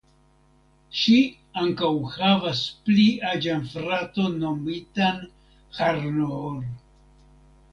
Ŝi ankaŭ havas pli aĝan fraton nomitan Harnoor.